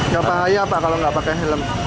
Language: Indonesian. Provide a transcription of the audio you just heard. gak bahaya apa kalau gak pakai helm